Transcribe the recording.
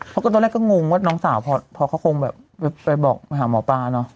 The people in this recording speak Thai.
เพราะตอนแรกก็งงว่าน้องสาวพอเขาคงแบบไปบอกมาหาหมอปลาเนอะ